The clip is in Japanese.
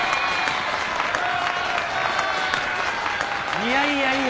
いやいやいや。